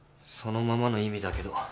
そのままの意味だけど。